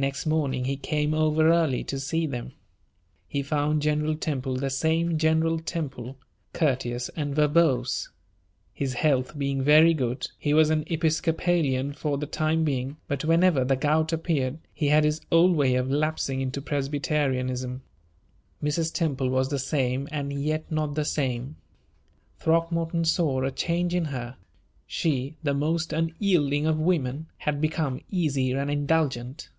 Next morning he came over early to see them. He found General Temple the same General Temple courteous and verbose. His health being very good, he was an Episcopalian for the time being; but, whenever the gout appeared, he had his old way of lapsing into Presbyterianism. Mrs. Temple was the same, and yet not the same. Throckmorton saw a change in her. She, the most unyielding of women, had become easy and indulgent.